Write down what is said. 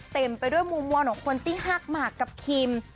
เต็มไปด้วยมุมวนของคนติ้งหากหมากกับคิม